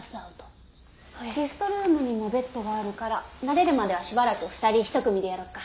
ゲストルームにもベッドがあるから慣れるまではしばらく二人一組でやろっか。